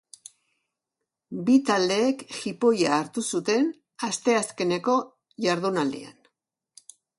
Bi taldeek jipoia hartu zuten asteazkeneko jardunaldian.